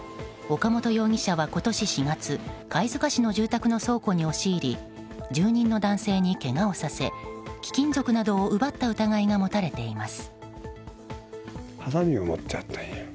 岡本容疑者は今年４月貝塚市の住宅の倉庫に押し入り住人の男性にけがをさせ貴金属などを奪った疑いが持たれています。